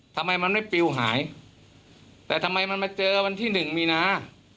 ทำไมมันไม่ปิวหายแต่ทำไมมันมาเจอวันที่หนึ่งมีนา